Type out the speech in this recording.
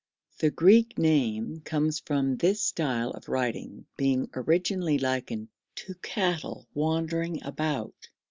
The Greek name comes from this style of writing being originally likened to cattle wandering about.